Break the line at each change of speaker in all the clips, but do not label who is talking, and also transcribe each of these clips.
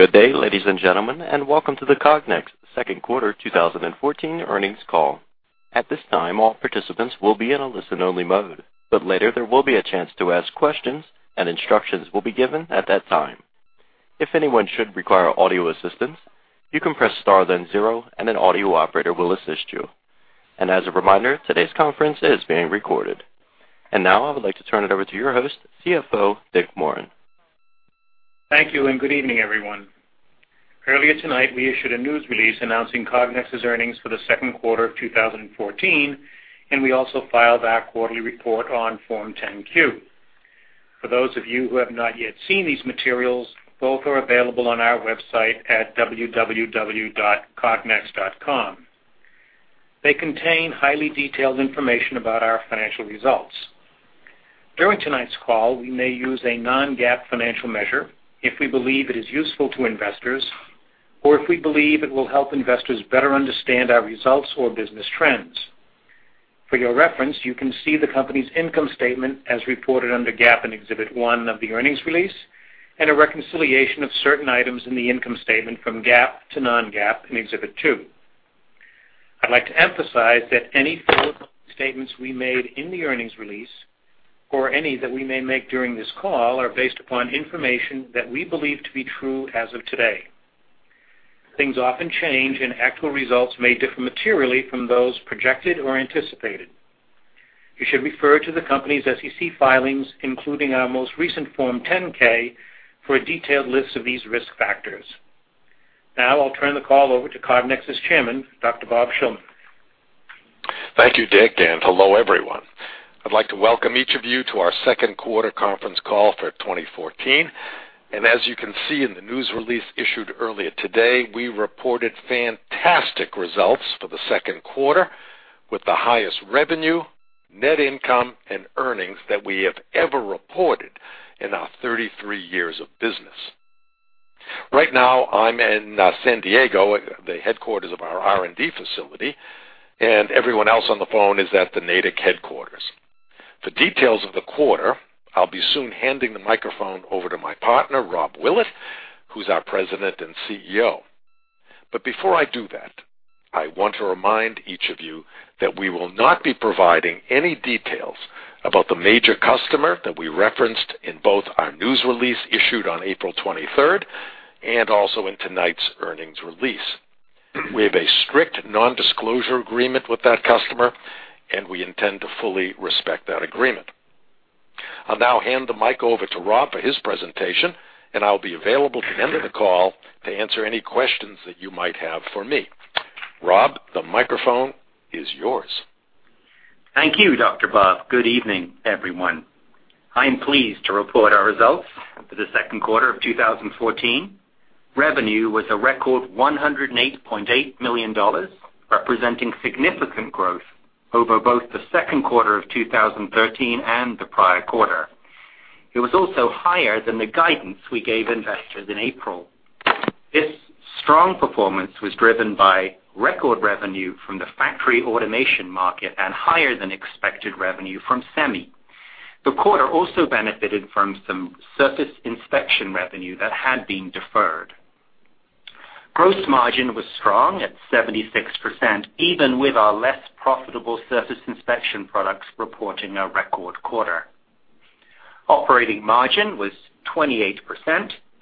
Good day, ladies and gentlemen, and welcome to the Cognex second quarter 2014 earnings call. At this time, all participants will be in a listen-only mode, but later there will be a chance to ask questions and instructions will be given at that time. If anyone should require audio assistance, you can press star, then zero, and an audio operator will assist you. And as a reminder, today's conference is being recorded. And now I would like to turn it over to your host, CFO Dick Morin.
Thank you, and good evening, everyone. Earlier tonight, we issued a news release announcing Cognex's earnings for the second quarter of 2014, and we also filed our quarterly report on Form 10-Q. For those of you who have not yet seen these materials, both are available on our website at www.cognex.com. They contain highly detailed information about our financial results. During tonight's call, we may use a non-GAAP financial measure if we believe it is useful to investors or if we believe it will help investors better understand our results or business trends. For your reference, you can see the company's income statement as reported under GAAP in Exhibit 1 of the earnings release, and a reconciliation of certain items in the income statement from GAAP to non-GAAP in Exhibit 2. I'd like to emphasize that any forward statements we made in the earnings release or any that we may make during this call, are based upon information that we believe to be true as of today. Things often change, and actual results may differ materially from those projected or anticipated. You should refer to the company's SEC filings, including our most recent Form 10-K, for a detailed list of these risk factors. Now, I'll turn the call over to Cognex's chairman, Dr. Bob Shillman.
Thank you, Dick, and hello, everyone. I'd like to welcome each of you to our second quarter conference call for 2014. As you can see in the news release issued earlier today, we reported fantastic results for the second quarter, with the highest revenue, net income, and earnings that we have ever reported in our 33 years of business. Right now, I'm in San Diego, the headquarters of our R&D facility, and everyone else on the phone is at the Natick headquarters. For details of the quarter, I'll be soon handing the microphone over to my partner, Rob Willett, who's our President and CEO. But before I do that, I want to remind each of you that we will not be providing any details about the major customer that we referenced in both our news release issued on April 23 and also in tonight's earnings release. We have a strict nondisclosure agreement with that customer, and we intend to fully respect that agreement. I'll now hand the mic over to Rob for his presentation, and I'll be available at the end of the call to answer any questions that you might have for me. Rob, the microphone is yours.
Thank you, Dr. Bob. Good evening, everyone. I'm pleased to report our results for the second quarter of 2014. Revenue was a record $108.8 million, representing significant growth over both the second quarter of 2013 and the prior quarter. It was also higher than the guidance we gave investors in April. This strong performance was driven by record revenue from the factory automation market and higher than expected revenue from SEMI. The quarter also benefited from some surface inspection revenue that had been deferred. Gross margin was strong at 76%, even with our less profitable surface inspection products reporting a record quarter. Operating margin was 28%,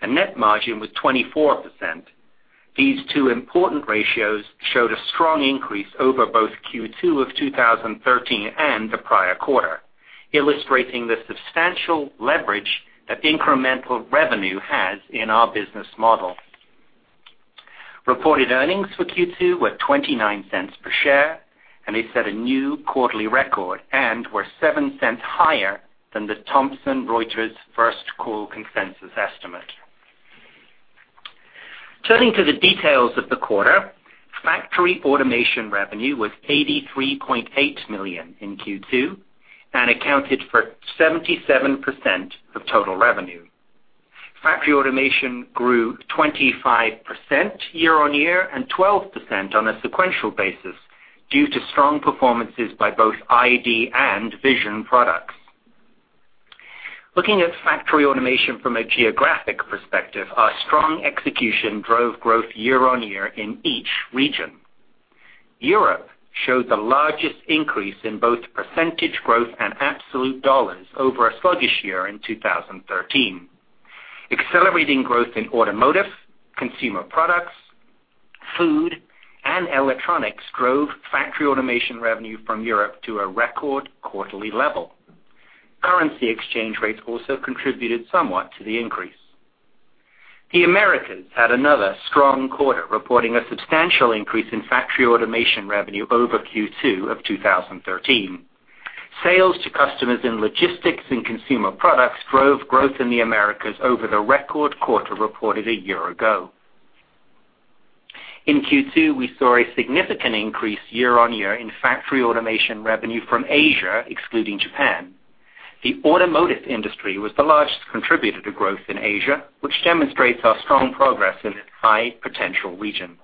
and net margin was 24%. These two important ratios showed a strong increase over both Q2 of 2013 and the prior quarter, illustrating the substantial leverage that incremental revenue has in our business model. Reported earnings for Q2 were $0.29 per share, and they set a new quarterly record and were $0.07 higher than the Thomson Reuters First Call consensus estimate. Turning to the details of the quarter, factory automation revenue was $83.8 million in Q2 and accounted for 77% of total revenue. Factory automation grew 25% year-on-year and 12% on a sequential basis due to strong performances by both ID and vision products. Looking at factory automation from a geographic perspective, our strong execution drove growth year-on-year in each region. Europe showed the largest increase in both percentage growth and absolute dollars over a sluggish year in 2013. Accelerating growth in automotive, consumer products, food, and electronics drove factory automation revenue from Europe to a record quarterly level. Currency exchange rates also contributed somewhat to the increase. The Americas had another strong quarter, reporting a substantial increase in factory automation revenue over Q2 of 2013. Sales to customers in logistics and consumer products drove growth in the Americas over the record quarter, reported a year ago. In Q2, we saw a significant increase year-on-year in factory automation revenue from Asia, excluding Japan. The automotive industry was the largest contributor to growth in Asia, which demonstrates our strong progress in this high potential region.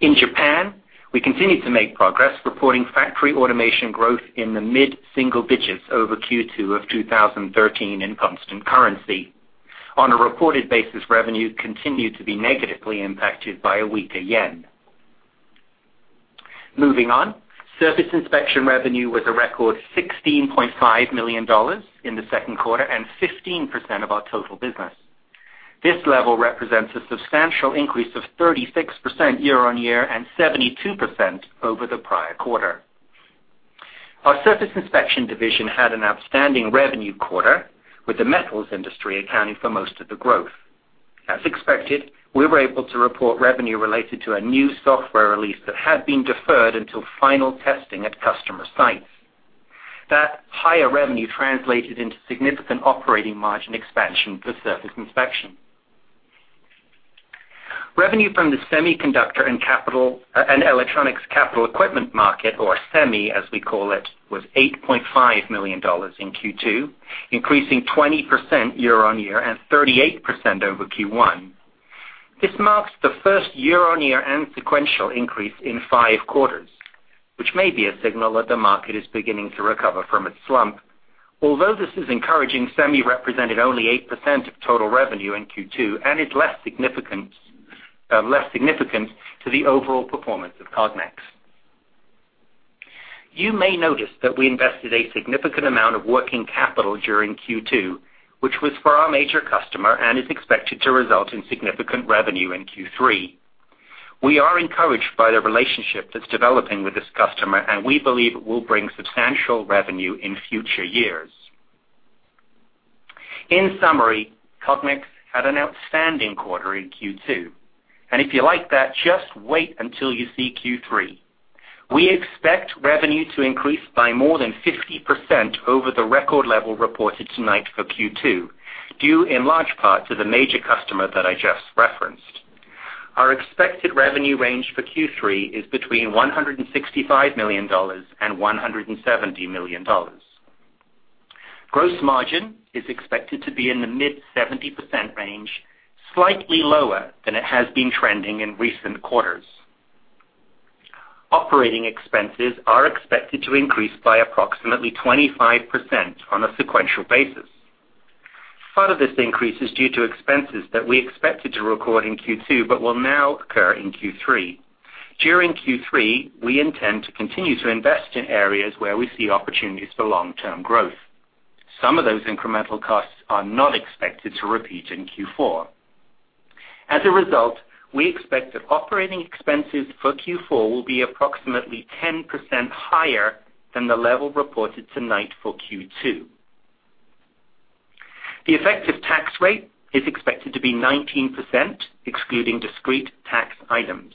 In Japan, we continued to make progress, reporting factory automation growth in the mid-single digits over Q2 of 2013 in constant currency. On a reported basis, revenue continued to be negatively impacted by a weaker yen. Moving on. Surface inspection revenue was a record $16.5 million in the second quarter and 15% of our total business. This level represents a substantial increase of 36% year-on-year and 72% over the prior quarter. Our surface inspection division had an outstanding revenue quarter, with the metals industry accounting for most of the growth. As expected, we were able to report revenue related to a new software release that had been deferred until final testing at customer sites. That higher revenue translated into significant operating margin expansion for surface inspection. Revenue from the semiconductor and electronics capital equipment market, or SEMI, as we call it, was $8.5 million in Q2, increasing 20% year-on-year and 38% over Q1. This marks the first year-on-year and sequential increase in five quarters, which may be a signal that the market is beginning to recover from its slump. Although this is encouraging, SEMI represented only 8% of total revenue in Q2 and is less significant to the overall performance of Cognex. You may notice that we invested a significant amount of working capital during Q2, which was for our major customer and is expected to result in significant revenue in Q3. We are encouraged by the relationship that's developing with this customer, and we believe it will bring substantial revenue in future years. In summary, Cognex had an outstanding quarter in Q2, and if you like that, just wait until you see Q3. We expect revenue to increase by more than 50% over the record level reported tonight for Q2, due in large part to the major customer that I just referenced. Our expected revenue range for Q3 is between $165 million and $170 million. Gross margin is expected to be in the mid-70% range, slightly lower than it has been trending in recent quarters. Operating expenses are expected to increase by approximately 25% on a sequential basis. Part of this increase is due to expenses that we expected to record in Q2, but will now occur in Q3. During Q3, we intend to continue to invest in areas where we see opportunities for long-term growth. Some of those incremental costs are not expected to repeat in Q4. As a result, we expect that operating expenses for Q4 will be approximately 10% higher than the level reported tonight for Q2. The effective tax rate is expected to be 19%, excluding discrete tax items.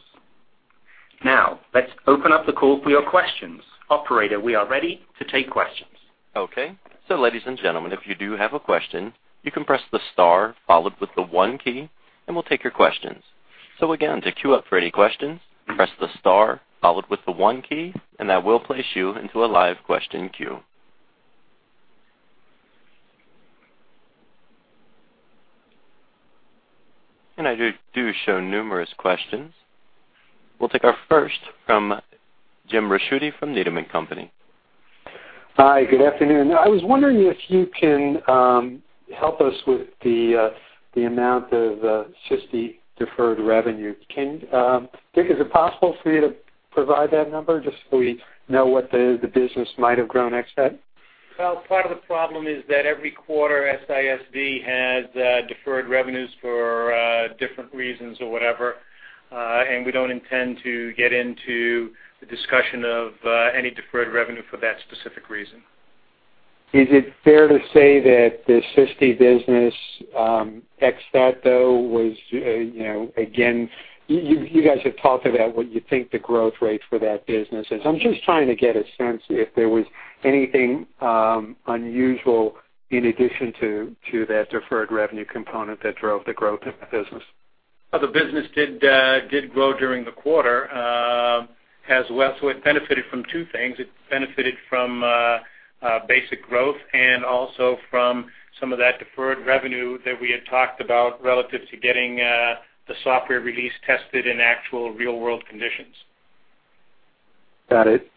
Now, let's open up the call for your questions. Operator, we are ready to take questions.
Okay. So, ladies and gentlemen, if you do have a question, you can press the star followed with the one key, and we'll take your questions. So again, to queue up for any questions, press the star followed with the one key, and that will place you into a live question queue. And I do show numerous questions. We'll take our first from Jim Ricchiuti from Needham & Company.
Hi, good afternoon. I was wondering if you can help us with the amount of SISD deferred revenue. Can, Dick, is it possible for you to provide that number just so we know what the business might have grown next at?
Well, part of the problem is that every quarter, SISD has deferred revenues for different reasons or whatever. And we don't intend to get into the discussion of any deferred revenue for that specific reason.
Is it fair to say that the SISD business, except that, though, was, you know, again, you guys have talked about what you think the growth rate for that business is. I'm just trying to get a sense if there was anything unusual in addition to that deferred revenue component that drove the growth in the business.
Well, the business did, did grow during the quarter, as well, so it benefited from two things. It benefited from, basic growth and also from some of that deferred revenue that we had talked about relative to getting, the software release tested in actual real-world conditions.
Got it.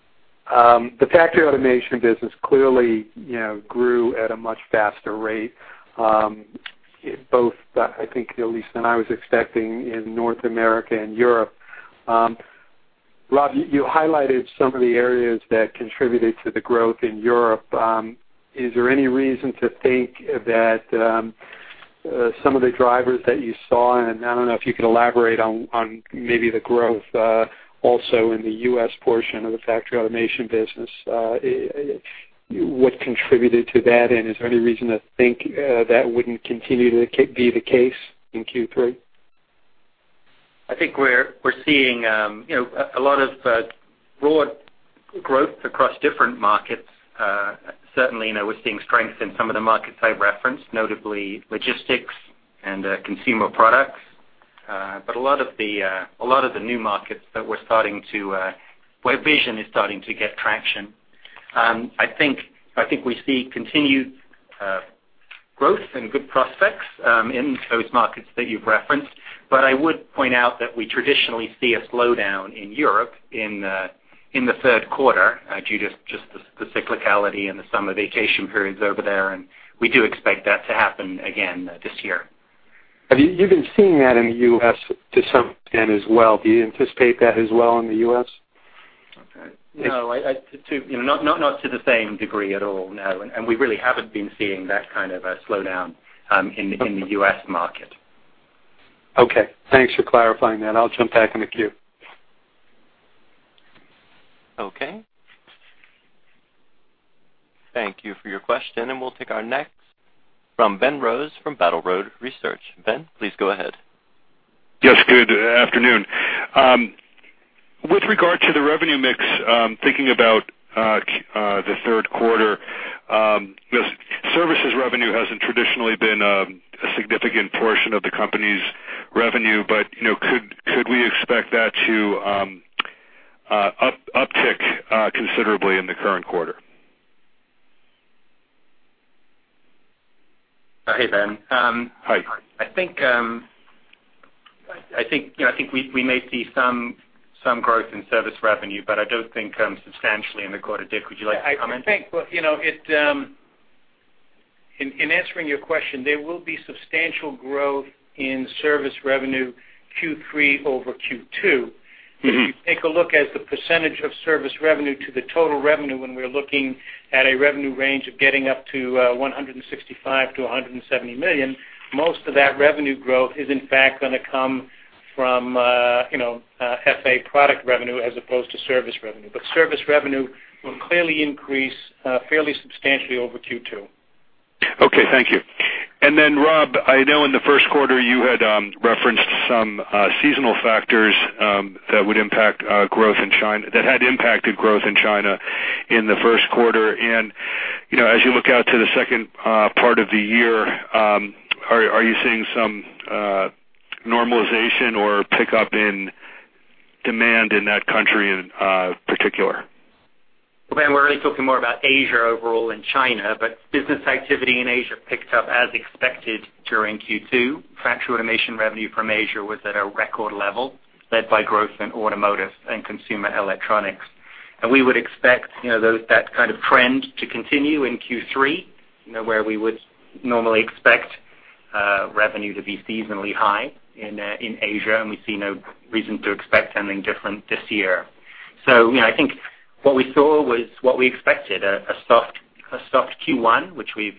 The factory automation business clearly, you know, grew at a much faster rate, both, I think at least than I was expecting in North America and Europe. Rob, you highlighted some of the areas that contributed to the growth in Europe. Is there any reason to think that, some of the drivers that you saw, and I don't know if you could elaborate on, on maybe the growth, also in the U.S. portion of the factory automation business, what contributed to that, and is there any reason to think, that wouldn't continue to be the case in Q3?
I think we're seeing, you know, a lot of broad growth across different markets. Certainly, you know, we're seeing strength in some of the markets I referenced, notably logistics and consumer products. But a lot of the new markets that we're starting to where vision is starting to get traction. I think we see continued growth and good prospects in those markets that you've referenced. But I would point out that we traditionally see a slowdown in Europe in the third quarter due to just the cyclicality and the summer vacation periods over there, and we do expect that to happen again this year.
You've been seeing that in the U.S. to some extent as well. Do you anticipate that as well in the U.S.?
No, I too, you know, not to the same degree at all, no. And we really haven't been seeing that kind of a slowdown in the U.S. market.
Okay, thanks for clarifying that. I'll jump back in the queue.
Okay. Thank you for your question, and we'll take our next from Ben Rose from Battle Road Research. Ben, please go ahead.
Yes, good afternoon. With regard to the revenue mix, thinking about the third quarter, services revenue hasn't traditionally been a significant portion of the company's revenue. But, you know, could we expect that to uptick considerably in the current quarter?
Hey, Ben.
Hi.
I think, you know, I think we may see some growth in service revenue, but I don't think substantially in the quarter. Dick, would you like to comment?
I think, well, you know, in answering your question, there will be substantial growth in service revenue Q3 over Q2. If you take a look at the percentage of service revenue to the total revenue when we're looking at a revenue range of getting up to $165 million-$170 million, most of that revenue growth is in fact gonna come from, you know, FA product revenue as opposed to service revenue. But service revenue will clearly increase, fairly substantially over Q2.
Okay, thank you. And then, Rob, I know in the first quarter, you had referenced some seasonal factors that would impact growth in China, that had impacted growth in China in the first quarter. And, you know, as you look out to the second part of the year, are you seeing some normalization or pickup in demand in that country in particular?
Well, Ben, we're really talking more about Asia overall than China, but business activity in Asia picked up as expected during Q2. Factory automation revenue from Asia was at a record level, led by growth in automotive and consumer electronics. And we would expect, you know, those, that kind of trend to continue in Q3, you know, where we would normally expect revenue to be seasonally high in Asia, and we see no reason to expect anything different this year. So, you know, I think what we saw was what we expected, a soft Q1, which we've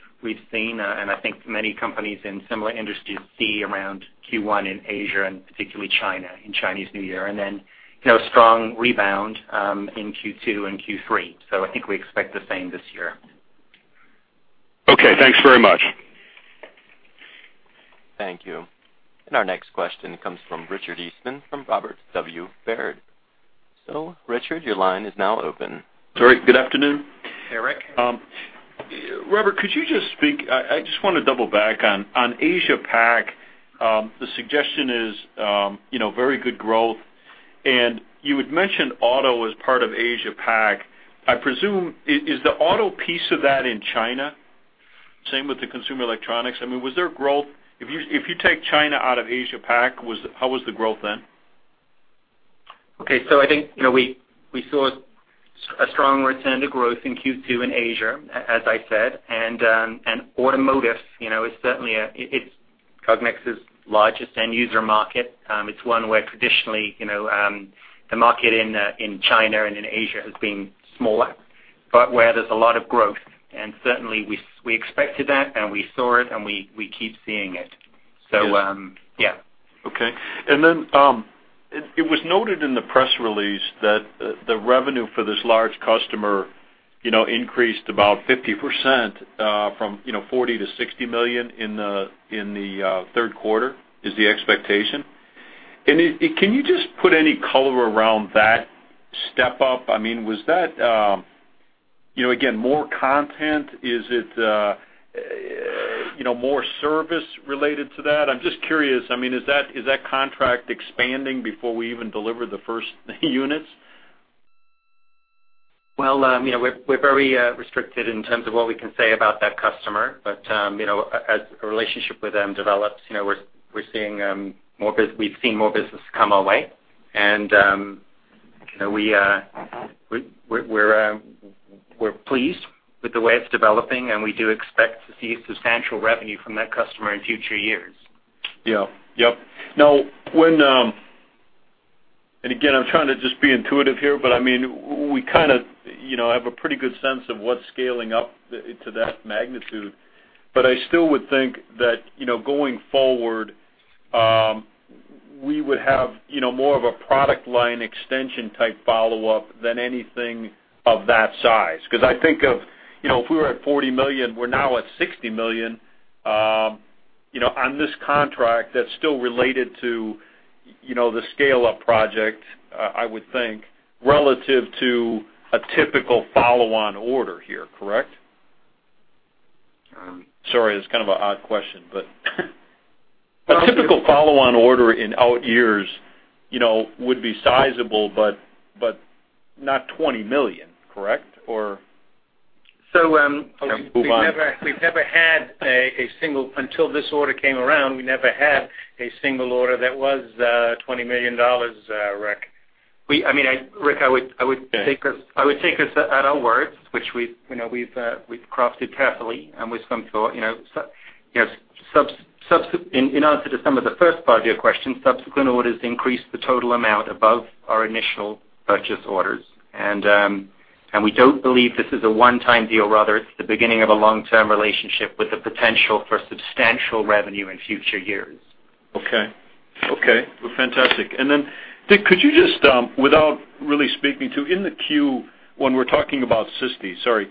seen, and I think many companies in similar industries see around Q1 in Asia and particularly China, in Chinese New Year, and then, you know, strong rebound in Q2 and Q3. So I think we expect the same this year.
Okay, thanks very much.
Thank you. Our next question comes from Richard Eastman from Robert W. Baird. Richard, your line is now open.
Sorry, good afternoon.
Hey, Rick.
Rob, could you just speak... I just want to double back on Asia Pac. The suggestion is, you know, very good growth, and you had mentioned auto as part of Asia Pac. I presume, is the auto piece of that in China, same with the consumer electronics? I mean, was there growth? If you take China out of Asia Pac, was the, how was the growth then?
Okay. So I think, you know, we saw a strong return to growth in Q2 in Asia, as I said, and automotive, you know, is certainly, it's Cognex's largest end user market. It's one where traditionally, you know, the market in China and in Asia has been smaller, but where there's a lot of growth. And certainly we expected that, and we saw it, and we keep seeing it. So, yeah.
Okay. And then, it was noted in the press release that the revenue for this large customer, you know, increased about 50% from $40 million-$60 million in the third quarter, is the expectation. And can you just put any color around that step up? I mean, was that, you know, again, more content? Is it, you know, more service related to that? I'm just curious. I mean, is that contract expanding before we even deliver the first units?
Well, you know, we're very restricted in terms of what we can say about that customer, but, you know, as a relationship with them develops, you know, we're seeing, we've seen more business come our way. And, you know, we're pleased with the way it's developing, and we do expect to see substantial revenue from that customer in future years.
Yeah. Yep. Now, And again, I'm trying to just be intuitive here, but I mean, we kind of, you know, have a pretty good sense of what's scaling up to that magnitude. But I still would think that, you know, going forward, we would have, you know, more of a product line extension type follow-up than anything of that size. Because I think of, you know, if we were at $40 million, we're now at $60 million, you know, on this contract that's still related to, you know, the scale-up project, I would think, relative to a typical follow-on order here, correct? Sorry, it's kind of an odd question, a typical follow-on order in out years, you know, would be sizable, but, but not $20 million, correct?
We've never had a single—until this order came around, we never had a single order that was $20 million, Rick.
I mean, Rick, I would take us at our words, which we've, you know, we've crafted carefully and with some thought, you know. Subsequent, you know, in answer to some of the first part of your question, subsequent orders increased the total amount above our initial purchase orders. And we don't believe this is a one-time deal, rather, it's the beginning of a long-term relationship with the potential for substantial revenue in future years.
Okay. Okay, well, fantastic. And then, Dick, could you just without really speaking to in the Q, when we're talking about SISD, sorry,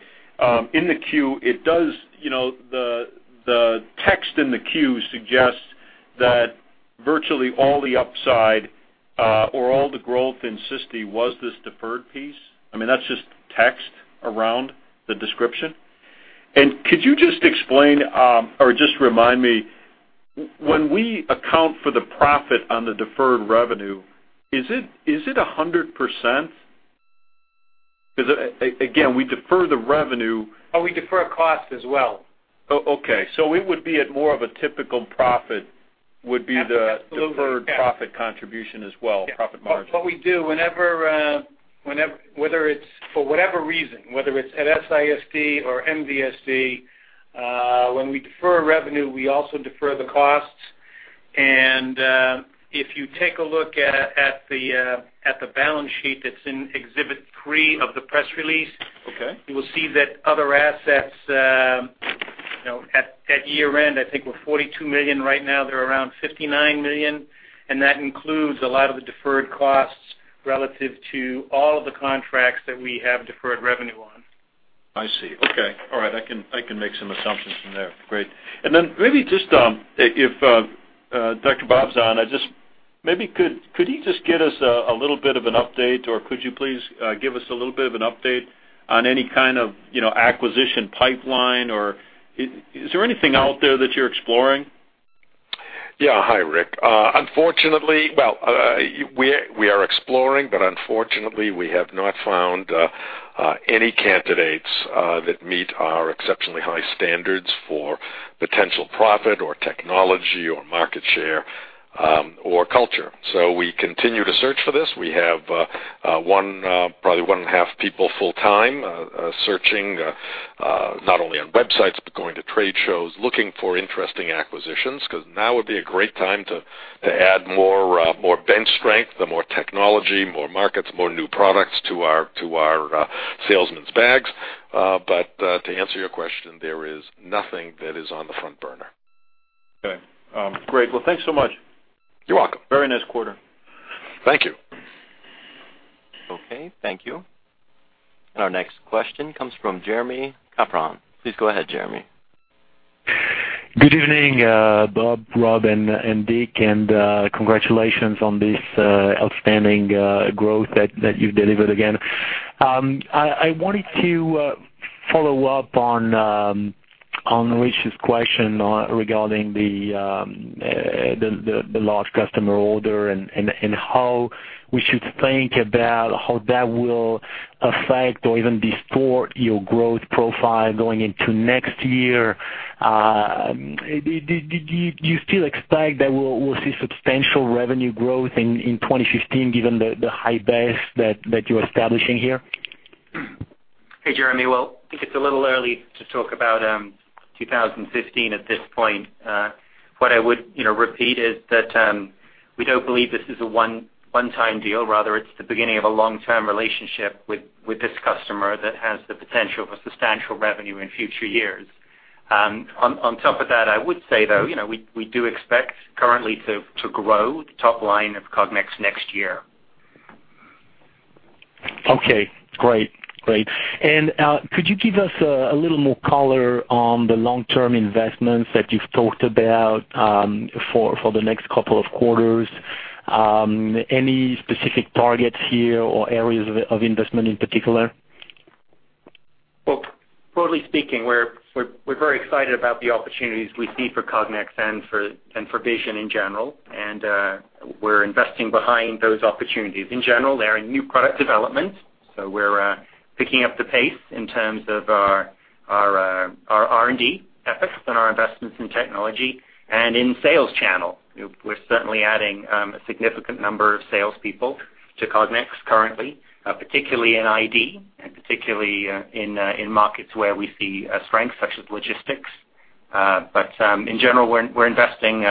in the Q, it does, you know, the text in the Q suggests that virtually all the upside or all the growth in SISD was this deferred piece? I mean, that's just text around the description. And could you just explain or just remind me, when we account for the profit on the deferred revenue, is it 100%? Because again, we defer the revenue.
Oh, we defer a cost as well.
Oh, okay. So it would be at more of a typical profit, would be the deferred profit contribution as well.
Yeah.
Profit margin.
But we do, whenever, whether it's for whatever reason, whether it's at SISD or MVSD, when we defer revenue, we also defer the costs. And, if you take a look at the balance sheet that's in exhibit three of the press release you will see that other assets, you know, at year-end, I think we're $42 million. Right now, they're around $59 million, and that includes a lot of the deferred costs relative to all of the contracts that we have deferred revenue on.
I see. Okay. All right. I can make some assumptions from there. Great. And then maybe just, if Dr. Bob's on, I just maybe could he just get us a little bit of an update, or could you please give us a little bit of an update on any kind of, you know, acquisition pipeline, or is there anything out there that you're exploring?
Yeah. Hi, Rick. Unfortunately, well, we are exploring, but unfortunately, we have not found any candidates that meet our exceptionally high standards for potential profit or technology or market share, or culture. So we continue to search for this. We have one, probably one and a half people full-time, searching not only on websites, but going to trade shows, looking for interesting acquisitions, 'cause now would be a great time to add more bench strength, the more technology, more markets, more new products to our salesman's bags. But to answer your question, there is nothing that is on the front burner.
Okay. Great. Well, thanks so much.
You're welcome.
Very nice quarter.
Thank you.
Okay, thank you. Our next question comes from Jeremie Capron. Please go ahead, Jeremy.
Good evening, Bob, Rob, and Dick, and congratulations on this outstanding growth that you've delivered again. I wanted to follow up on Rich's question regarding the large customer order and how we should think about how that will affect or even distort your growth profile going into next year. Do you still expect that we'll see substantial revenue growth in 2015, given the high base that you're establishing here?
Hey, Jeremie. Well, I think it's a little early to talk about 2015 at this point. What I would, you know, repeat is that we don't believe this is a one-time deal. Rather, it's the beginning of a long-term relationship with this customer that has the potential for substantial revenue in future years. On top of that, I would say, though, you know, we do expect currently to grow the top line of Cognex next year.
Okay, great. Great. And could you give us a little more color on the long-term investments that you've talked about for the next couple of quarters? Any specific targets here or areas of investment in particular?
Well, broadly speaking, we're very excited about the opportunities we see for Cognex and for vision in general, and we're investing behind those opportunities. In general, they're in new product development, so we're picking up the pace in terms of our R&D efforts and our investments in technology and in sales channel. We're certainly adding a significant number of salespeople to Cognex currently, particularly in ID, and particularly in markets where we see a strength, such as logistics. But in general, we're investing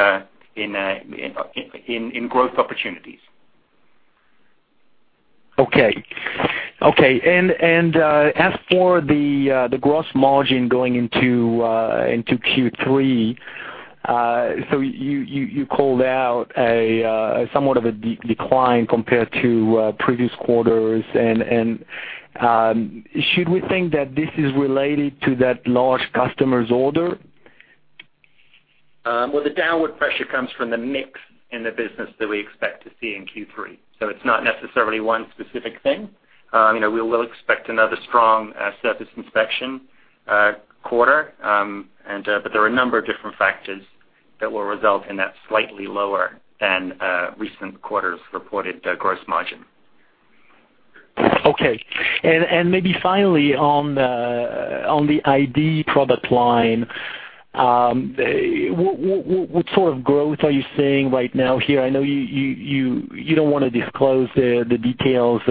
in growth opportunities.
Okay. Okay, and as for the gross margin going into Q3, so you called out a somewhat of a decline compared to previous quarters. And should we think that this is related to that large customer's order?
Well, the downward pressure comes from the mix in the business that we expect to see in Q3, so it's not necessarily one specific thing. You know, we will expect another strong Surface Inspection quarter, but there are a number of different factors that will result in that slightly lower than recent quarters reported gross margin.
Okay. And maybe finally, on the ID product line, what sort of growth are you seeing right now here? I know you don't wanna disclose the details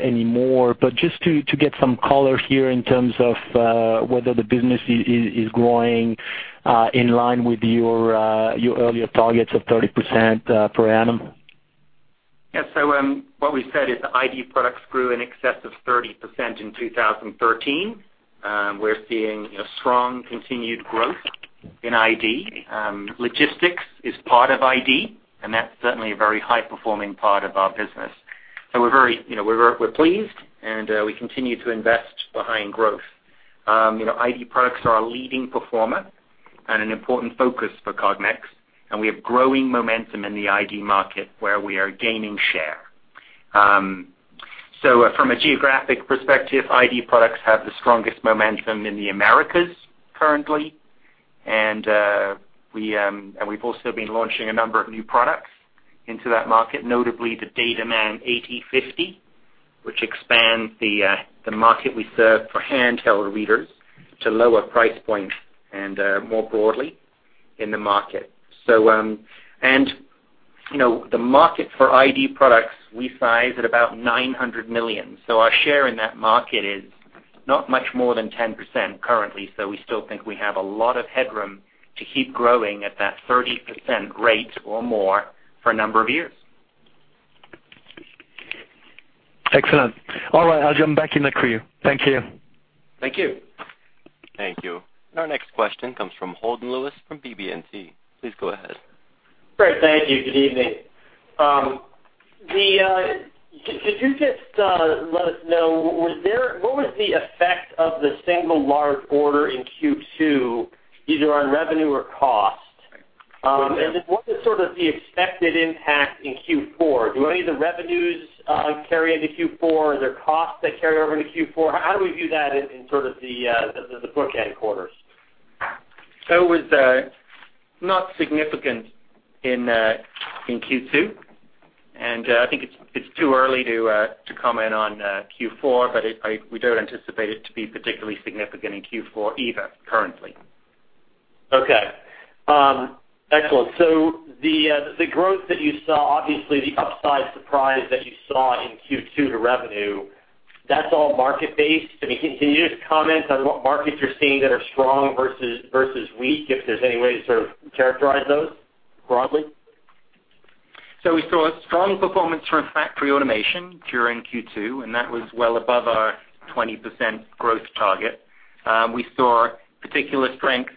anymore, but just to get some color here in terms of whether the business is growing in line with your earlier targets of 30% per annum.
Yeah, so, what we said is the ID products grew in excess of 30% in 2013. We're seeing a strong continued growth in ID. Logistics is part of ID, and that's certainly a very high performing part of our business. So we're very, you know, we're pleased, and we continue to invest behind growth. You know, ID products are our leading performer and an important focus for Cognex, and we have growing momentum in the ID market, where we are gaining share. So from a geographic perspective, ID products have the strongest momentum in the Americas currently, and we've also been launching a number of new products into that market, notably the DataMan 8050, which expands the market we serve for handheld readers to lower price point and more broadly in the market. So, you know, the market for ID products, we size at about $900 million. So our share in that market is not much more than 10% currently, so we still think we have a lot of headroom to keep growing at that 30% rate or more for a number of years.
Excellent. All right, I'll back in the queue. Thank you.
Thank you.
Thank you. Our next question comes from Holden Lewis from BB&T. Please go ahead.
Great. Thank you. Good evening. Could you just let us know, was there—what was the effect of the single large order in Q2, either on revenue or cost? And then what is sort of the expected impact in Q4? Do any of the revenues carry into Q4? Are there costs that carry over into Q4? How do we view that in sort of the bookend quarters?
So it was not significant in Q2, and I think it's too early to comment on Q4, but we don't anticipate it to be particularly significant in Q4 either, currently.
Okay. Excellent. So the, the growth that you saw, obviously the upside surprise that you saw in Q2 to revenue, that's all market-based? I mean, can you just comment on what markets you're seeing that are strong versus weak, if there's any way to sort of characterize those broadly?
So we saw a strong performance from factory automation during Q2, and that was well above our 20% growth target. We saw particular strength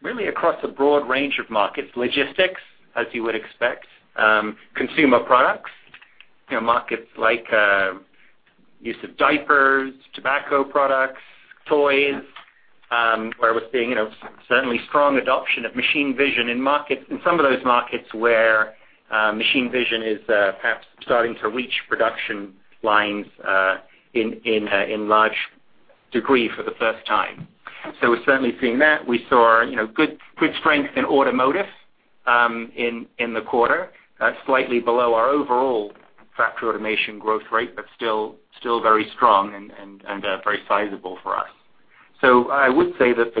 really across a broad range of markets, logistics, as you would expect, consumer products, you know, markets like, use of diapers, tobacco products, toys, where we're seeing, you know, certainly strong adoption of machine vision in markets, in some of those markets where machine vision is perhaps starting to reach production lines, in large degree for the first time. So we're certainly seeing that. We saw, you know, good, good strength in automotive, in the quarter, slightly below our overall factory automation growth rate, but still very strong and very sizable for us. So I would say that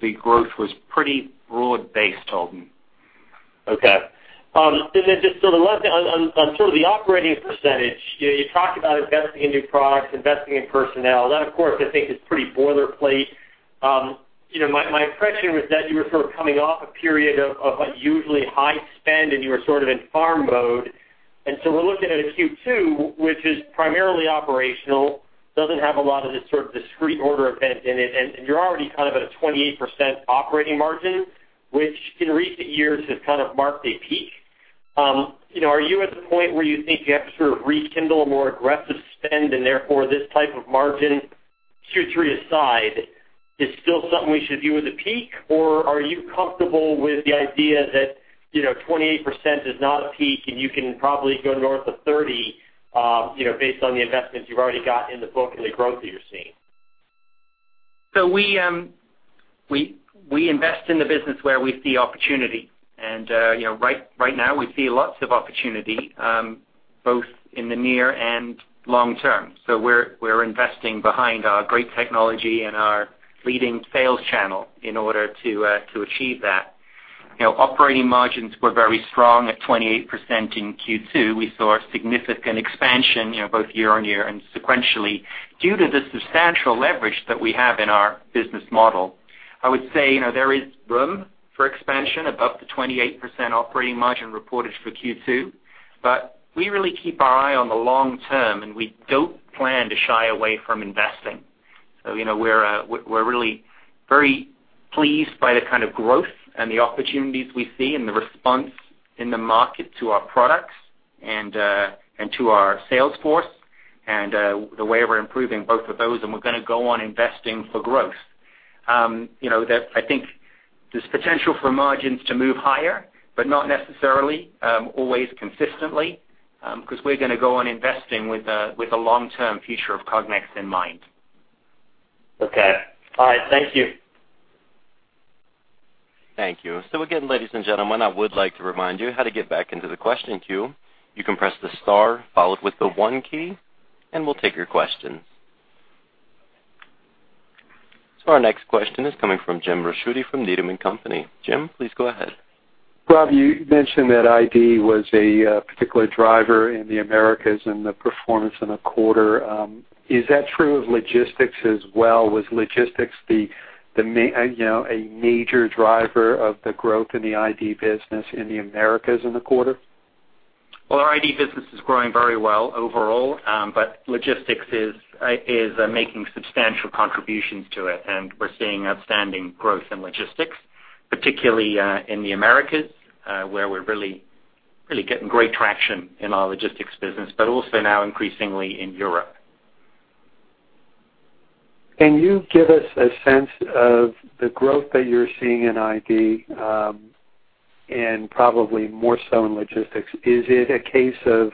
the growth was pretty broad-based, Holden.
Okay. And then just so the last thing, on sort of the operating percentage, you talked about investing in new products, investing in personnel. That, of course, I think is pretty boilerplate. You know, my impression was that you were sort of coming off a period of unusually high spend, and you were sort of in farm mode. And so we're looking at a Q2, which is primarily operational, doesn't have a lot of the sort of discrete order event in it, and you're already kind of at a 28% operating margin, which in recent years has kind of marked a peak. You know, are you at the point where you think you have to sort of rekindle a more aggressive spend, and therefore, this type of margin, Q3 aside, is still something we should view as a peak? Or are you comfortable with the idea that, you know, 28% is not a peak, and you can probably go north of 30, you know, based on the investments you've already got in the book and the growth that you're seeing?
So we invest in the business where we see opportunity, and you know, right now we see lots of opportunity both in the near and long term. So we're investing behind our great technology and our leading sales channel in order to achieve that. You know, operating margins were very strong at 28% in Q2. We saw significant expansion, you know, both year-on-year and sequentially, due to the substantial leverage that we have in our business model. I would say, you know, there is room for expansion above the 28% operating margin reported for Q2, but we really keep our eye on the long term, and we don't plan to shy away from investing. So, you know, we're really very pleased by the kind of growth and the opportunities we see and the response in the market to our products and to our sales force, and the way we're improving both of those, and we're gonna go on investing for growth. You know, there's potential for margins to move higher, but not necessarily always consistently, because we're gonna go on investing with a long-term future of Cognex in mind.
Okay. All right, thank you.
Thank you. So again, ladies and gentlemen, I would like to remind you how to get back into the question queue. You can press the star followed with the one key, and we'll take your questions. So our next question is coming from Jim Ricchiuti from Needham & Company. Jim, please go ahead.
Rob, you mentioned that ID was a particular driver in the Americas and the performance in the quarter. Is that true of logistics as well? Was logistics you know, a major driver of the growth in the ID business in the Americas in the quarter?
Well, our ID business is growing very well overall, but logistics is making substantial contributions to it, and we're seeing outstanding growth in logistics, particularly in the Americas, where we're really, really getting great traction in our logistics business, but also now increasingly in Europe.
Can you give us a sense of the growth that you're seeing in ID, and probably more so in logistics? Is it a case of,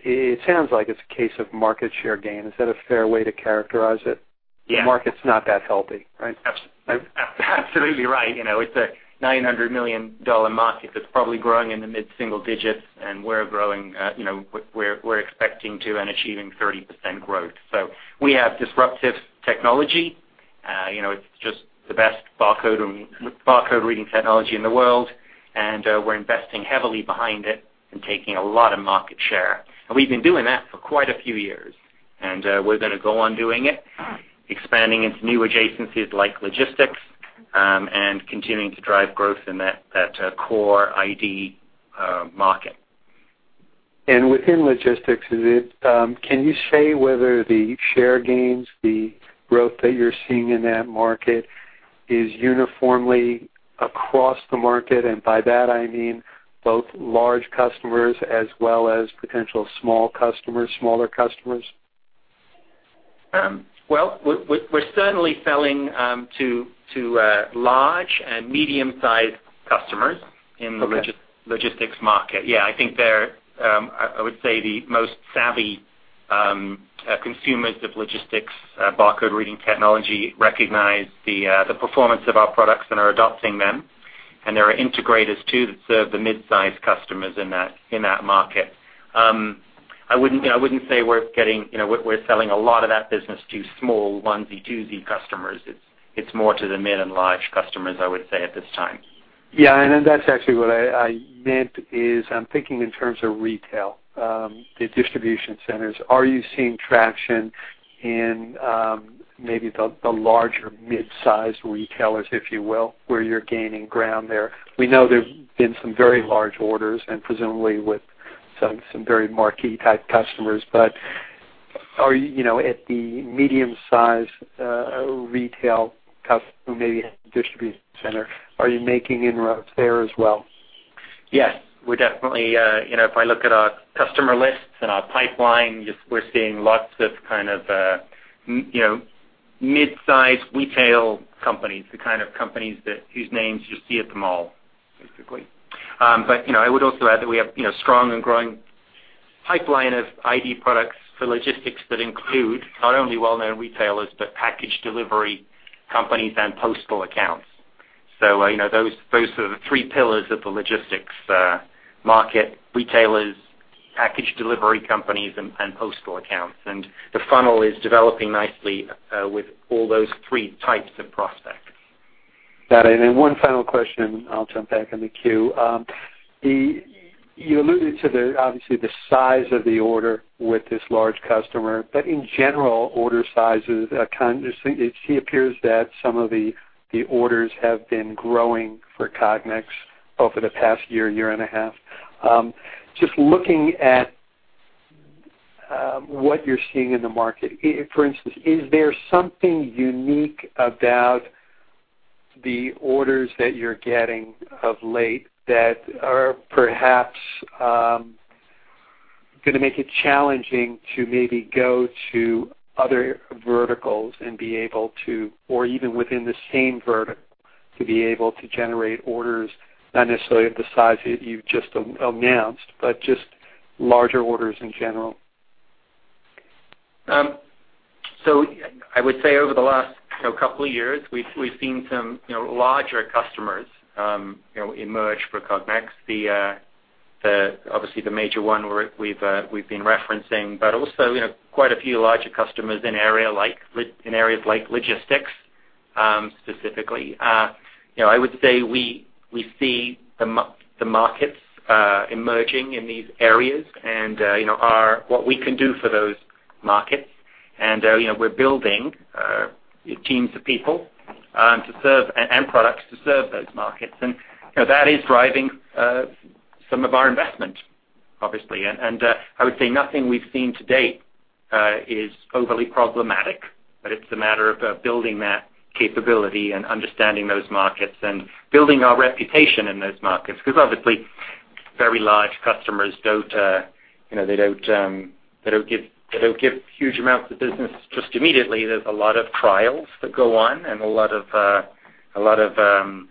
it sounds like it's a case of market share gain. Is that a fair way to characterize it?
Yeah.
The market's not that healthy, right?
Absolutely right. You know, it's a $900 million market that's probably growing in the mid-single digits, and we're growing, you know, we're expecting to and achieving 30% growth. So we have disruptive technology. You know, it's just the best barcode reading technology in the world, and we're investing heavily behind it and taking a lot of market share. And we've been doing that for quite a few years, and we're gonna go on doing it, expanding into new adjacencies like logistics, and continuing to drive growth in that core ID market.
Within logistics, is it, can you say whether the share gains, the growth that you're seeing in that market is uniformly across the market? And by that, I mean, both large customers as well as potential small customers, smaller customers.
Well, we're certainly selling to large and medium-sized customers in the logistics market. Yeah, I think they're, I would say, the most savvy consumers of logistics barcode reading technology, recognize the, the performance of our products and are adopting them. And there are integrators too, that serve the mid-sized customers in that, in that market. I wouldn't, you know, I wouldn't say we're getting, you know, we're, we're selling a lot of that business to small onesie-twosie customers. It's, it's more to the mid and large customers, I would say, at this time.
Yeah, and then that's actually what I meant is I'm thinking in terms of retail, the distribution centers. Are you seeing traction in, maybe the larger mid-sized retailers, if you will, where you're gaining ground there? We know there's been some very large orders and presumably with some very marquee-type customers. But are you, you know, at the medium-sized, retail customers who maybe have distribution center, are you making inroads there as well?
Yes. We're definitely, you know, if I look at our customer lists and our pipeline, just we're seeing lots of kind of, you know, mid-sized retail companies, the kind of companies that, whose names you see at the mall, basically. But, you know, I would also add that we have, you know, strong and growing pipeline of ID products for logistics that include not only well-known retailers, but package delivery companies and postal accounts. So, you know, those are the three pillars of the logistics market: retailers, package delivery companies, and postal accounts. And the funnel is developing nicely, with all those three types of prospects.
Got it. And one final question, I'll jump back in the queue. You alluded to the, obviously, the size of the order with this large customer, but in general, order sizes, it appears that some of the orders have been growing for Cognex over the past year, year and a half. Just looking at what you're seeing in the market, for instance, is there something unique about the orders that you're getting of late that are perhaps gonna make it challenging to maybe go to other verticals and be able to, or even within the same vertical, to be able to generate orders, not necessarily of the size that you've just announced, but just larger orders in general?
So I would say over the last, you know, couple of years, we've seen some, you know, larger customers, you know, emerge for Cognex. Obviously, the major one we've been referencing, but also, you know, quite a few larger customers in areas like logistics, specifically. I would say we see the markets emerging in these areas and, you know, what we can do for those markets. And, you know, we're building teams of people to serve and products to serve those markets. And, you know, that is driving some of our investment, obviously. I would say nothing we've seen to date is overly problematic, but it's a matter of building that capability and understanding those markets and building our reputation in those markets. Because obviously very large customers don't, you know, they don't, they don't give, they don't give huge amounts of business just immediately. There's a lot of trials that go on and a lot of a lot of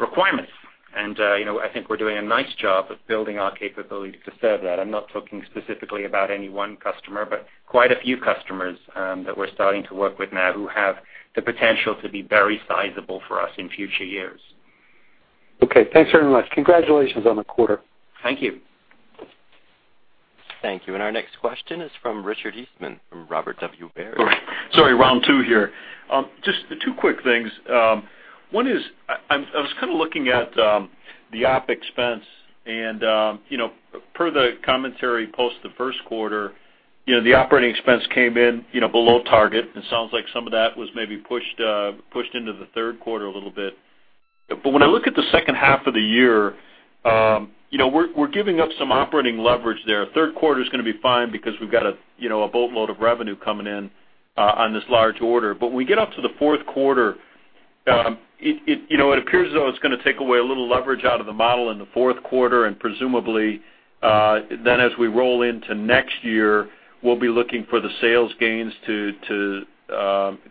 requirements. You know, I think we're doing a nice job of building our capability to serve that. I'm not talking specifically about any one customer, but quite a few customers that we're starting to work with now, who have the potential to be very sizable for us in future years.
Okay, thanks very much. Congratulations on the quarter!
Thank you.
Thank you. Our next question is from Richard Eastman from Robert W. Baird.
Sorry, round two here. Just two quick things. One is, I was kind of looking at the OpEx, and you know, per the commentary, post the first quarter, you know, the operating expense came in, you know, below target, and it sounds like some of that was maybe pushed into the third quarter a little bit. But when I look at the second half of the year, you know, we're giving up some operating leverage there. Third quarter is gonna be fine because we've got a, you know, a boatload of revenue coming in on this large order. But when we get up to the fourth quarter, you know, it appears as though it's gonna take away a little leverage out of the model in the fourth quarter, and presumably, then as we roll into next year, we'll be looking for the sales gains to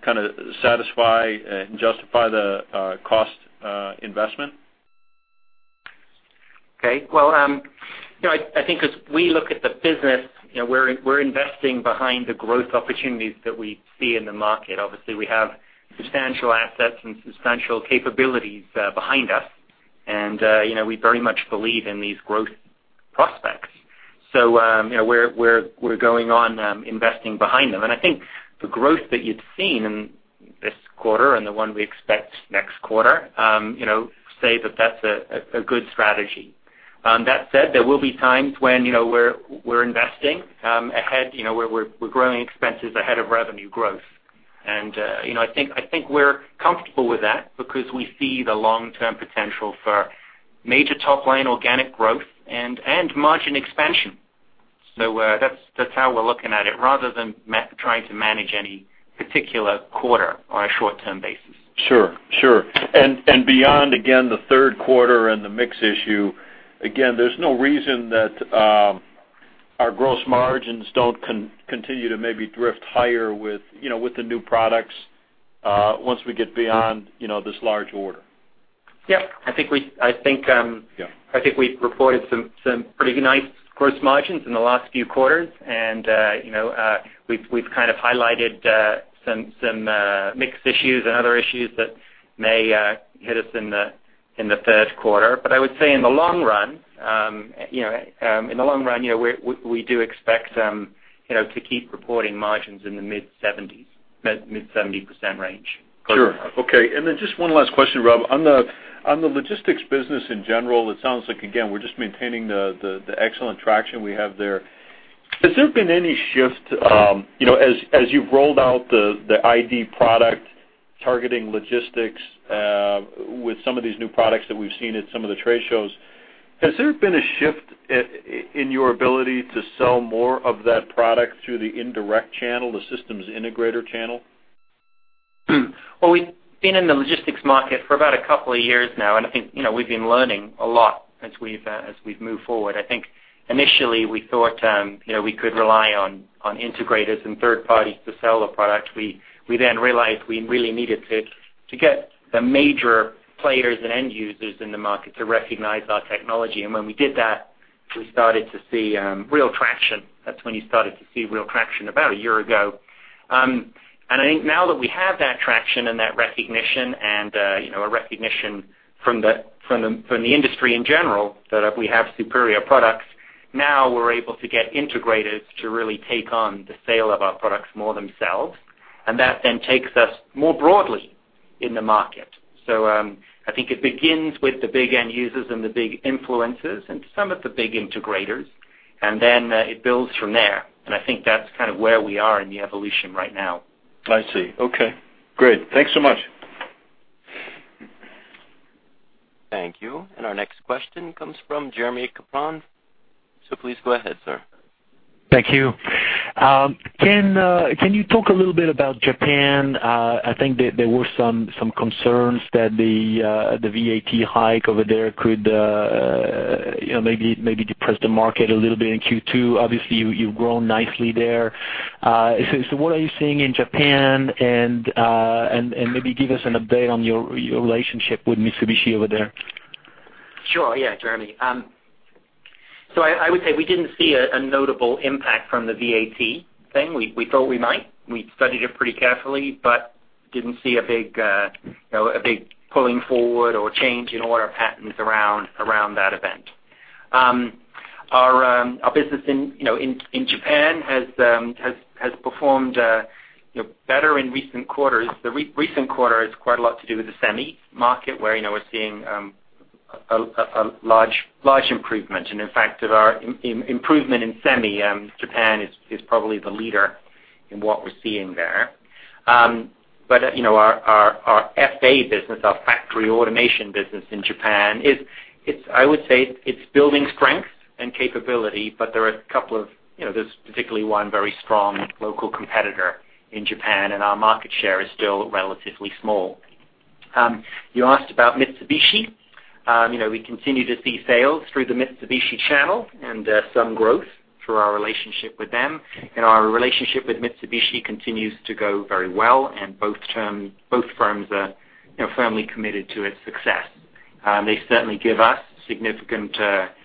kind of satisfy and justify the cost investment.
Okay. Well, you know, I think as we look at the business, you know, we're investing behind the growth opportunities that we see in the market. Obviously, we have substantial assets and substantial capabilities behind us, and, you know, we very much believe in these growth prospects. So, you know, we're going on investing behind them. And I think the growth that you'd seen in this quarter and the one we expect next quarter, you know, say that that's a good strategy. That said, there will be times when, you know, we're investing ahead, you know, where we're growing expenses ahead of revenue growth. And, you know, I think we're comfortable with that because we see the long-term potential for major top-line organic growth and margin expansion. So, that's how we're looking at it, rather than trying to manage any particular quarter on a short-term basis.
Sure, sure. And beyond, again, the third quarter and the mix issue, again, there's no reason that our gross margins don't continue to maybe drift higher with, you know, with the new products, once we get beyond, you know, this large order.
Yep. I think, I think we've reported some pretty nice gross margins in the last few quarters, and, you know, we've kind of highlighted some mixed issues and other issues that may hit us in the third quarter. But I would say in the long run, you know, in the long run, you know, we do expect, you know, to keep reporting margins in the mid-70s to mid-70% range.
Sure. Okay, and then just one last question, Rob. On the, on the logistics business in general, it sounds like, again, we're just maintaining the, the, the excellent traction we have there. Has there been any shift, you know, as, as you've rolled out the, the ID product, targeting logistics, with some of these new products that we've seen at some of the trade shows, has there been a shift in your ability to sell more of that product through the indirect channel, the systems integrator channel?
Well, we've been in the logistics market for about a couple of years now, and I think, you know, we've been learning a lot as we've moved forward. I think initially we thought, you know, we could rely on integrators and third parties to sell the product. We then realized we really needed to get the major players and end users in the market to recognize our technology. And when we did that, we started to see real traction. That's when you started to see real traction about a year ago. And I think now that we have that traction and that recognition and, you know, a recognition from the industry in general, that we have superior products, now we're able to get integrators to really take on the sale of our products more themselves, and that then takes us more broadly in the market. So, I think it begins with the big end users and the big influencers and some of the big integrators, and then it builds from there. And I think that's kind of where we are in the evolution right now.
I see. Okay, great. Thanks so much.
Thank you. Our next question comes from Jeremie Capron. Please go ahead, sir.
Thank you. Can you talk a little bit about Japan? I think there were some concerns that the VAT hike over there could, you know, maybe depress the market a little bit in Q2. Obviously, you've grown nicely there. So what are you seeing in Japan, and maybe give us an update on your relationship with Mitsubishi over there?
Sure. Yeah, Jeremy. So I would say we didn't see a notable impact from the VAT thing. We thought we might. We studied it pretty carefully, but didn't see a big, you know, a big pulling forward or change in order patterns around that event. Our business in, you know, in Japan has performed, you know, better in recent quarters. The recent quarter has quite a lot to do with the SEMI market, where, you know, we're seeing a large improvement. And in fact, of our improvement in semi, Japan is probably the leader in what we're seeing there. But, you know, our FA business, our factory automation business in Japan, is. It's, I would say it's building strength. and capability, but there are a couple of, you know, there's particularly one very strong local competitor in Japan, and our market share is still relatively small. You asked about Mitsubishi. You know, we continue to see sales through the Mitsubishi channel and some growth through our relationship with them. And our relationship with Mitsubishi continues to go very well, and both firms are, you know, firmly committed to its success. They certainly give us significant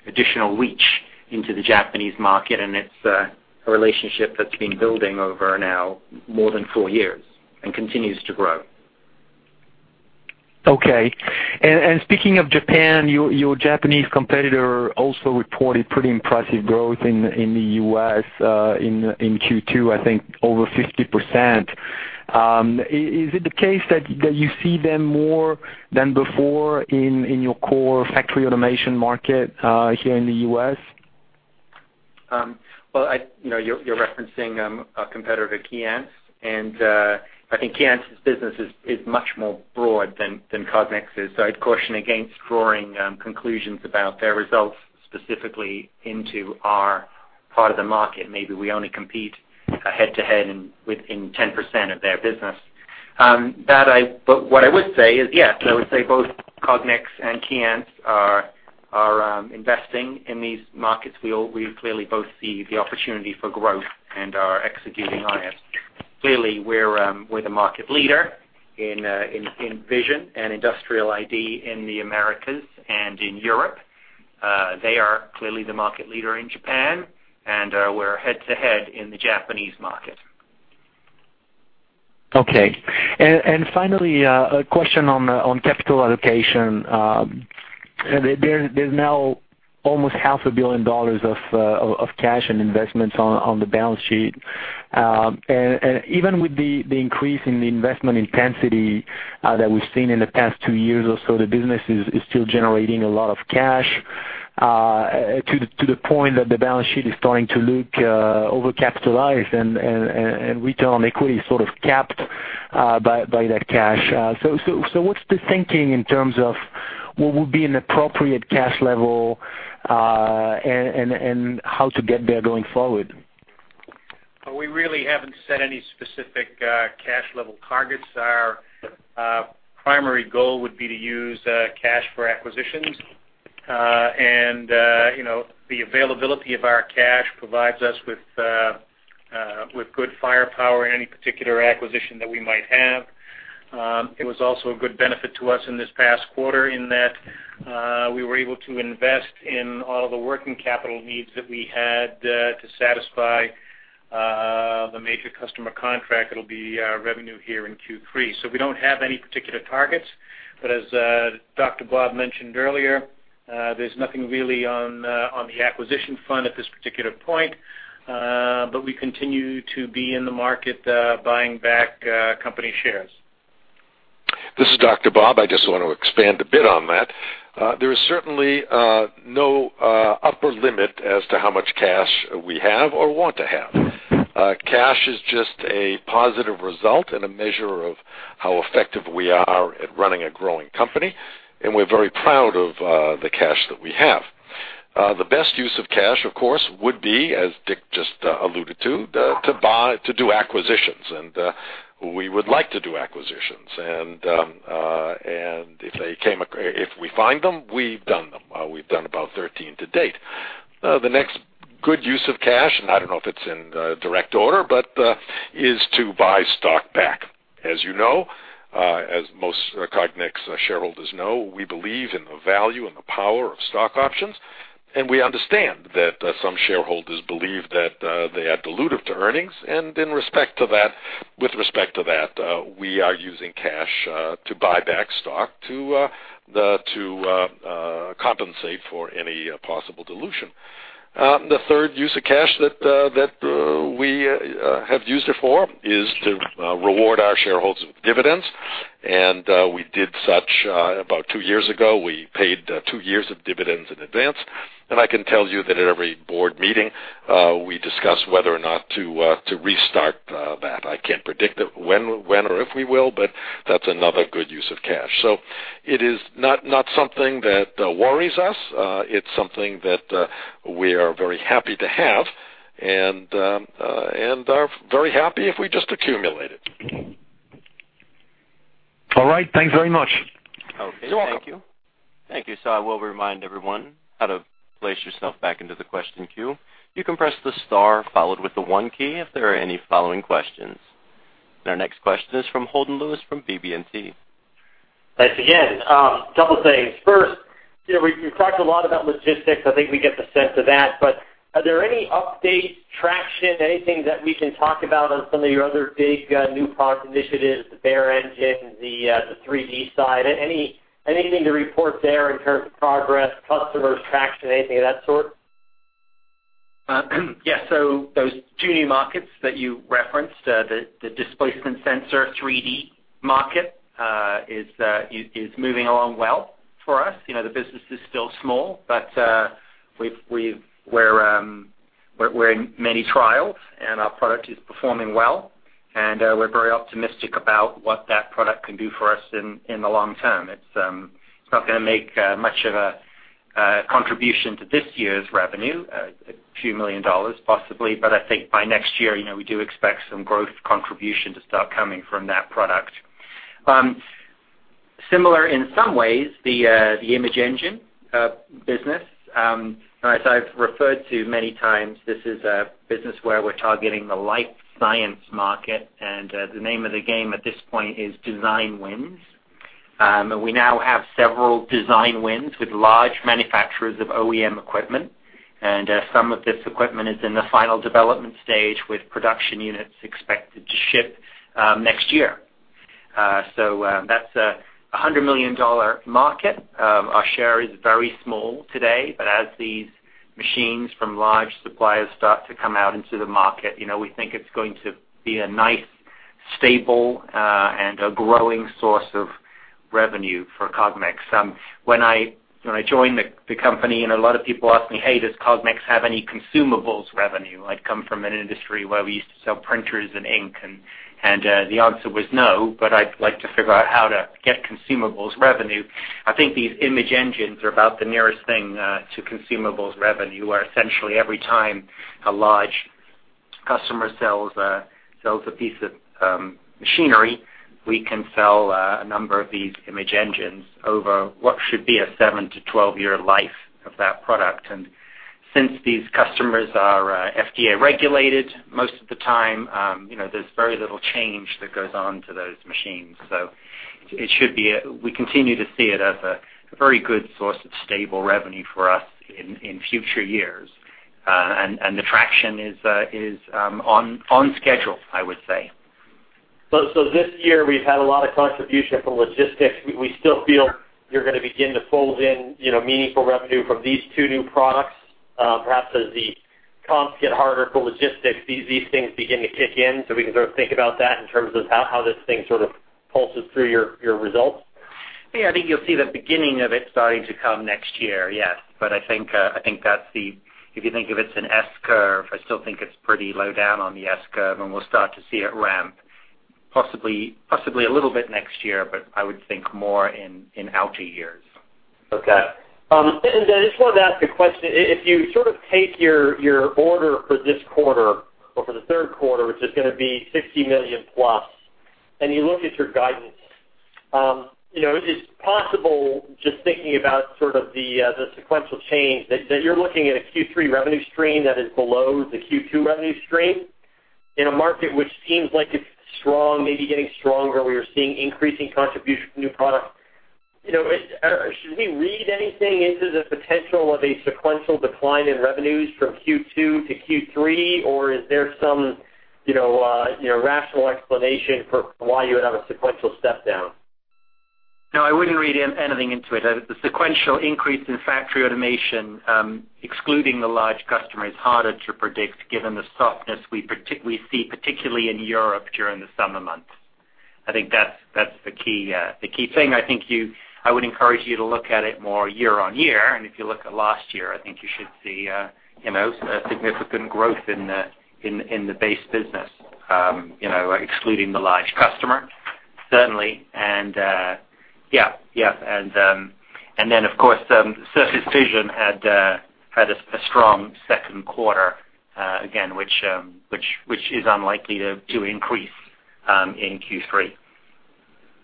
additional reach into the Japanese market, and it's a relationship that's been building over now more than four years and continues to grow.
Okay. And speaking of Japan, your Japanese competitor also reported pretty impressive growth in the U.S., in Q2, I think over 50%. Is it the case that you see them more than before in your core factory automation market here in the U.S.?
Well, you know, you're referencing a competitor, Keyence, and I think Keyence's business is much more broad than Cognex's. So I'd caution against drawing conclusions about their results specifically into our part of the market. Maybe we only compete head to head within 10% of their business. But what I would say is, yes, I would say both Cognex and Keyence are investing in these markets. We clearly both see the opportunity for growth and are executing on it. Clearly, we're the market leader in vision and industrial ID in the Americas and in Europe. They are clearly the market leader in Japan, and we're head to head in the Japanese market.
Okay. And finally, a question on capital allocation. There’s now almost $500 million of cash and investments on the balance sheet. And even with the increase in the investment intensity that we’ve seen in the past two years or so, the business is still generating a lot of cash to the point that the balance sheet is starting to look overcapitalized, and return on equity is sort of capped by that cash. So, what’s the thinking in terms of what would be an appropriate cash level, and how to get there going forward?
We really haven't set any specific cash level targets. Our primary goal would be to use cash for acquisitions. You know, the availability of our cash provides us with good firepower in any particular acquisition that we might have. It was also a good benefit to us in this past quarter in that we were able to invest in all of the working capital needs that we had to satisfy the major customer contract that'll be revenue here in Q3. So we don't have any particular targets, but as Dr. Bob mentioned earlier, there's nothing really on the acquisition front at this particular point. But we continue to be in the market, buying back company shares.
This is Dr. Bob. I just want to expand a bit on that. There is certainly no upper limit as to how much cash we have or want to have. Cash is just a positive result and a measure of how effective we are at running a growing company, and we're very proud of the cash that we have. The best use of cash, of course, would be, as Dick just alluded to, to buy, to do acquisitions, and we would like to do acquisitions. And if we find them, we've done them. We've done about 13 to date. The next good use of cash, and I don't know if it's in direct order, but is to buy stock back. As you know, as most Cognex shareholders know, we believe in the value and the power of stock options, and we understand that some shareholders believe that they are dilutive to earnings. In respect to that, with respect to that, we are using cash to buy back stock to compensate for any possible dilution. The third use of cash that we have used it for is to reward our shareholders with dividends. And we did such about two years ago. We paid two years of dividends in advance, and I can tell you that at every board meeting we discuss whether or not to restart that. I can't predict when or if we will, but that's another good use of cash. So it is not something that worries us. It's something that we are very happy to have and are very happy if we just accumulate it.
All right. Thanks very much.
You're welcome.
Okay. Thank you.
Thank you. So I will remind everyone how to place yourself back into the question queue. You can press the star followed with the one key if there are any following questions. Our next question is from Holden Lewis, from BB&T.
Thanks again. A couple things. First, you know, we've talked a lot about logistics. I think we get the sense of that, but are there any updates, traction, anything that we can talk about on some of your other big new product initiatives, the image engine, the 3D side? Anything to report there in terms of progress, customers, traction, anything of that sort?
Yes. So those two new markets that you referenced, the displacement sensor, 3D market, is moving along well for us. You know, the business is still small, but we're in many trials, and our product is performing well, and we're very optimistic about what that product can do for us in the long term. It's not gonna make much of a contribution to this year's revenue, a few million dollars, possibly, but I think by next year, you know, we do expect some growth contribution to start coming from that product. Similar in some ways, the image engine business, as I've referred to many times, this is a business where we're targeting the life science market, and the name of the game at this point is design wins. We now have several design wins with large manufacturers of OEM equipment, and some of this equipment is in the final development stage, with production units expected to ship next year. So, that's a $100 million market. Our share is very small today, but as these machines from large suppliers start to come out into the market, you know, we think it's going to be a nice, stable, and a growing source of revenue for Cognex. When I joined the company, and a lot of people ask me, "Hey, does Cognex have any consumables revenue?" I'd come from an industry where we used to sell printers and ink, and the answer was no, but I'd like to figure out how to get consumables revenue. I think these image engines are about the nearest thing to consumables revenue, where essentially every time a large customer sells a piece of machinery, we can sell a number of these image engines over what should be a seven to 12-year life of that product. And since these customers are FDA regulated, most of the time, you know, there's very little change that goes on to those machines. So it should be we continue to see it as a very good source of stable revenue for us in future years. And the traction is on schedule, I would say.
So this year, we've had a lot of contribution from logistics. We still feel you're gonna begin to pull in, you know, meaningful revenue from these two new products. Perhaps as the comps get harder for logistics, these things begin to kick in, so we can sort of think about that in terms of how this thing sort of pulses through your results?
Yeah, I think you'll see the beginning of it starting to come next year, yes. But I think, I think that's the... If you think of it, it's an S curve, I still think it's pretty low down on the S curve, and we'll start to see it ramp possibly, possibly a little bit next year, but I would think more in out years.
Okay. And I just wanted to ask a question. If you sort of take your, your order for this quarter or for the third quarter, which is gonna be $60 million plus, and you look at your guidance, you know, is it possible, just thinking about sort of the, the sequential change, that, that you're looking at a Q3 revenue stream that is below the Q2 revenue stream in a market which seems like it's strong, maybe getting stronger, where you're seeing increasing contribution from new product? You know, should we read anything into the potential of a sequential decline in revenues from Q2 to Q3, or is there some, you know, you know, rational explanation for why you would have a sequential step down?
No, I wouldn't read anything into it. The sequential increase in factory automation, excluding the large customer, is harder to predict given the softness we see, particularly in Europe during the summer months. I think that's the key thing. I would encourage you to look at it more year-on-year, and if you look at last year, I think you should see you know, significant growth in the base business, you know, excluding the large customer, certainly. And then, of course, Surface Inspection had a strong second quarter, again, which is unlikely to increase in Q3.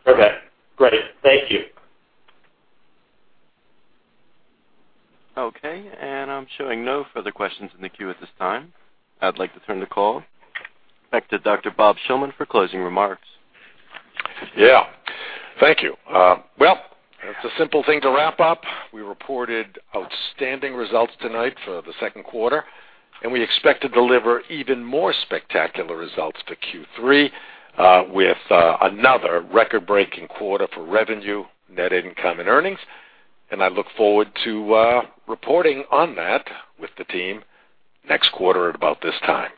Okay, great. Thank you.
Okay, and I'm showing no further questions in the queue at this time. I'd like to turn the call back to Dr. Bob Shillman for closing remarks.
Yeah. Thank you. Well, it's a simple thing to wrap up. We reported outstanding results tonight for the second quarter, and we expect to deliver even more spectacular results for Q3, with another record-breaking quarter for revenue, net income, and earnings. And I look forward to reporting on that with the team next quarter at about this time.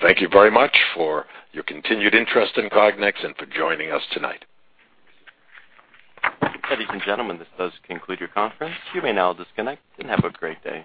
Thank you very much for your continued interest in Cognex and for joining us tonight.
Ladies and gentlemen, this does conclude your conference. You may now disconnect and have a great day.